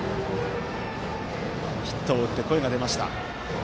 ヒットを打って声が出ました。